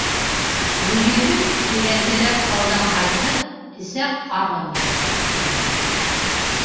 Гөлйөҙөм, көйәнтәләп һыуҙан ҡайтып, эсәк-ҡарын йыуырға әҙерләнде.